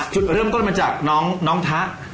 จุดเริ่มต้นมาจากน้องทะ